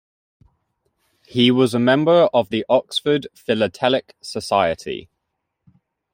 He was a member of the Oxford Philatelic Society.